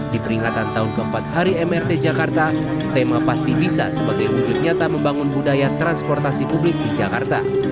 di peringatan tahun keempat hari mrt jakarta tema pasti bisa sebagai wujud nyata membangun budaya transportasi publik di jakarta